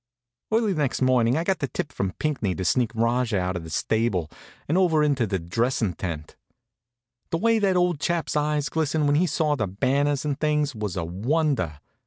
Early next morning I got the tip from Pinckney to sneak Rajah out of the stable and over into the dressin' tent. The way that old chap's eyes glistened when he saw the banners and things was a wonder.